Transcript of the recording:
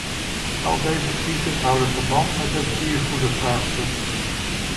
Al deze crises houden verband met het diervoedervraagstuk.